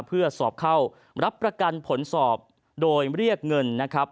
เพื่อสอบเข้ารับประกันผลสอบโดยเรียกเงินนะครับ